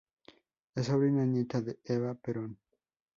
Es sobrina nieta de Eva Perón.